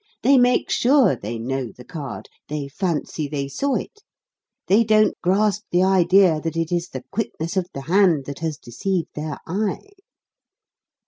They make sure they know the card, they fancy they saw it. They don't grasp the idea that it is the quickness of the hand that has deceived their eye."